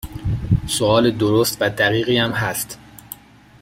سوال درست و دقیقی هم هست.